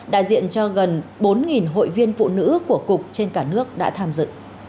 đại diện cho gần bốn hội viên phụ nữ của cục trên cả nước đã tham dự